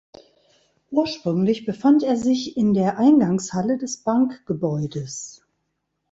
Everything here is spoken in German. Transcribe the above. Ursprünglich befand er sich in der Eingangshalle des Bankgebäudes.